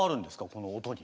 この音に。